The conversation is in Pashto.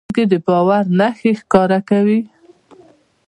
سترګې د باور نښې ښکاره کوي